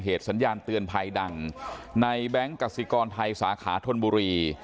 สัญญาณเตือนภัยดังในแบงค์กสิกรไทยสาขาธนบุรี